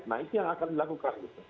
nah itu yang akan dilakukan gitu